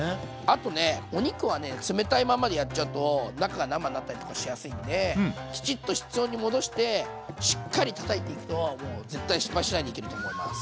あとねお肉はね冷たいままでやっちゃうと中が生になったりとかしやすいのできちっと室温に戻してしっかりたたいていくともう絶対失敗しないでいけると思います。